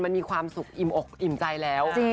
มันมีความสุขอิ่มอกอิ่มใจแล้ว